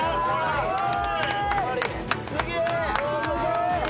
・すげえ。